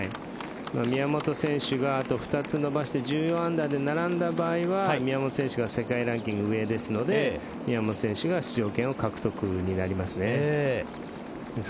宮本選手があと２つ伸ばして１４アンダーで並んだ場合は宮本選手が世界ランキングが上ですので宮本選手が出場権獲得になります。